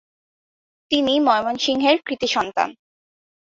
তিনি ময়মনসিংহের কৃতি সন্তান।